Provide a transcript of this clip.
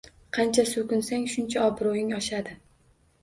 Qancha so`kinsang shuncha obro`ying oshadi